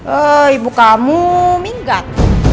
ehh ibu kamu minggat